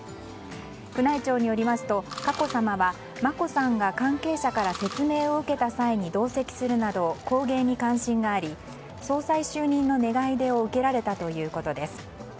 宮内庁によりますと佳子さまは、眞子さんが関係者から説明を受けた際に同席するなど工芸に関心があり総裁就任の願い出を受けられたということです。